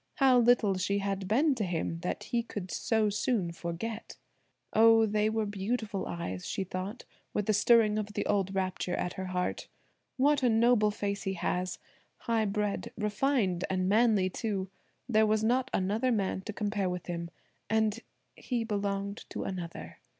How little she had been to him that he could so soon forget. Oh, they were beautiful eyes, she thought, with a stirring of the old rapture at her heart. What a noble face he has! high bred, refined, and manly, too! There was not another man to compare with him; and–he belonged to another.